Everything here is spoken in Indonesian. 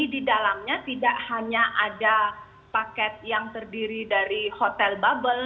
di dalamnya tidak hanya ada paket yang terdiri dari hotel bubble